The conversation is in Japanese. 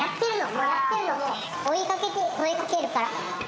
もうやってるの、もう、追いかけて、声かけるから。